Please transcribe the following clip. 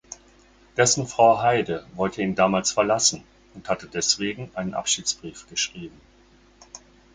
Dessen Frau Heide wollte ihn damals verlassen und hatte deswegen einen Abschiedsbrief geschrieben.